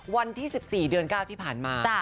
วันที่๑๔เดือน๙ที่ผ่านมา